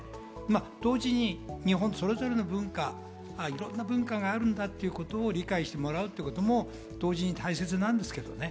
同時にそれぞれの文化、いろんな文化があるんだということを理解してもらおうということも大切なんですけどね。